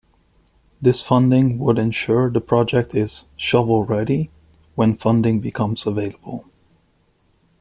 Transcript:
This funding would ensure the project is "shovel ready" when funding becomes available.